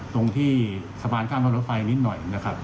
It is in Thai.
ตรงที่สะพานข้ามรถไฟนิดหน่อยนะครับ